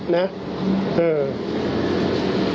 นะครับ